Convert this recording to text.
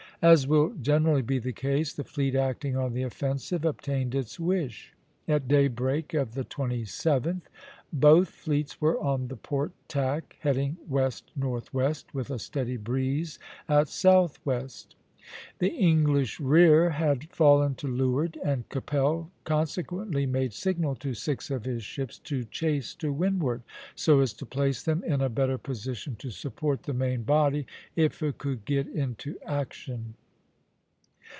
As will generally be the case, the fleet acting on the offensive obtained its wish. At daybreak of the 27th both fleets were on the port tack, heading west northwest, with a steady breeze at southwest (Plate IX., A, A, A). The English rear (R) had fallen to leeward, and Keppel consequently made signal to six of its ships to chase to windward, so as to place them in a better position to support the main body if it could get into action.